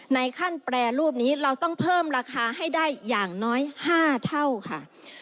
ในขั้นแปรรูปนี้เราต้องเพิ่มราคาให้ได้อย่างน้อย๕เท่าค่ะ